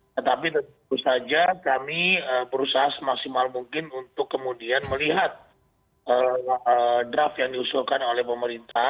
tetapi tentu saja kami berusaha semaksimal mungkin untuk kemudian melihat draft yang diusulkan oleh pemerintah